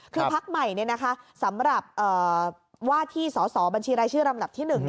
คือพักใหม่เนี่ยนะคะสำหรับว่าที่สอบบัญชีรายชื่อลำดับที่หนึ่ง